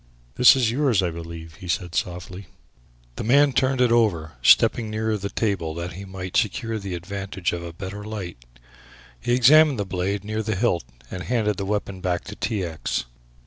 "This is yours, I believe," he said softly. The man turned it over, stepping nearer the table that he might secure the advantage of a better light. He examined the blade near the hilt and handed the weapon back to T. X.